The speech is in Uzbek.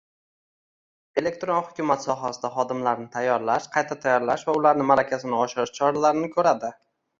elektron hukumat sohasida xodimlarni tayyorlash, qayta tayyorlash va ularning malakasini oshirish choralarini ko‘radi;